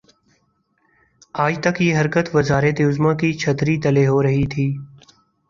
آج تک یہ حرکت وزارت عظمی کی چھتری تلے ہو رہی تھی۔